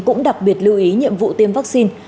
cũng đặc biệt lưu ý nhiệm vụ tiêm vaccine